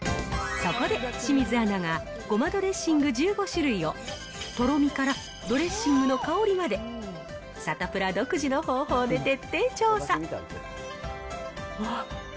そこで清水アナがごまドレッシング１５種類を、とろみから、ドレッシングの香りまで、サタプラ独自の方法で徹底調査。